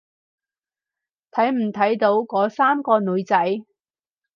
睇唔睇到嗰三個女仔？